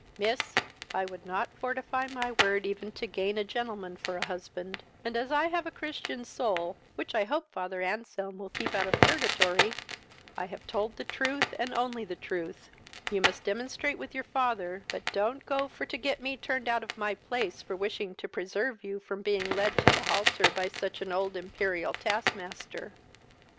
Miss, I would not fortify my word even to gain a gentleman for a husband; and, as I have a Christian soul, which I hope father Anselm will keep out of purgatory, I have told the truth, and only the truth; you must demonstrate with your father, but don't go for to get me turned out of my place for wishing to preserve you from being led to the haltar by such an old imperial task master."